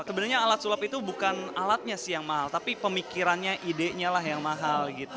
sebenarnya alat sulap itu bukan alatnya sih yang mahal tapi pemikirannya idenya lah yang mahal gitu